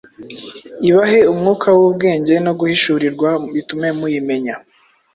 ibahe umwuka w’ubwenge no guhishurirwa bitume muyimenya,